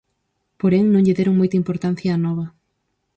Porén, non lle deron moita importancia á nova.